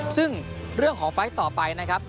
ซึ่งเรื่องของไฟล์ต่อไปนะครับ